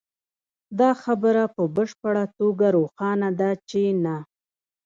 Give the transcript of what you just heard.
دا خبره په بشپړه توګه روښانه ده چې نه